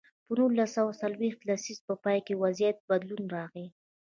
په نولس سوه څلویښت لسیزې په پای کې وضعیت کې بدلون راغی.